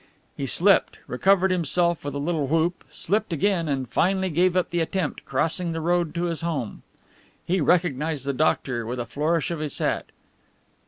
He slipped, recovered himself with a little whoop, slipped again, and finally gave up the attempt, crossing the road to his home. He recognized the doctor with a flourish of his hat.